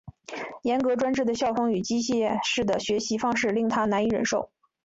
严格专制的校风与机械式的学习方式令他难以忍受。